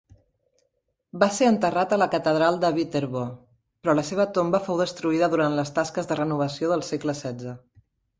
Va ser enterrat a la catedral de Viterbo, però la seva tomba fou destruïda durant les tasques de renovació del segle setze.